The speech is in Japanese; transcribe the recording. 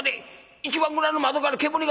一番蔵の窓から煙が！」。